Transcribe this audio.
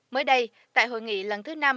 mới đây tại hội nghị lần thứ năm